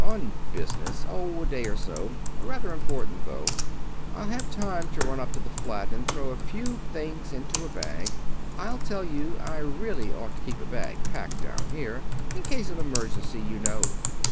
On business. Oh, a day or so. Rather important though. I'll have time to run up to the flat and throw a few things into a bag. I'll tell you, I really ought to keep a bag packed down here. In case of emergency, you know.